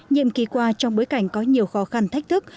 nhiệm kỳ qua trong bối cảnh có nhiều khó khăn thách thức